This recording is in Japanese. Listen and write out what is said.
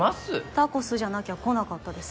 タコスじゃなきゃ来なかったです